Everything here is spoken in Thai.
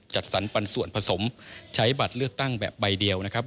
จัดสรรปันส่วนผสมใช้บัตรเลือกตั้งแบบใบเดียวนะครับ